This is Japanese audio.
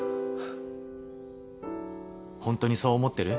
ホントにそう思ってる？